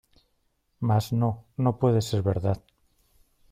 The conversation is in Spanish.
Mas no, no puede ser verdad